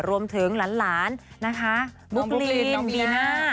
รวมถึงหลานนะคะบุ๊กลินลีน่า